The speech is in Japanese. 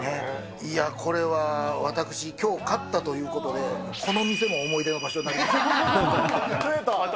いやー、これは私、きょう勝ったということで、この店も思い出の場所にします。